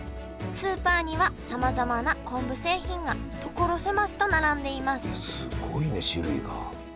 スーパーにはさまざまな昆布製品が所狭しと並んでいますすごいね種類が。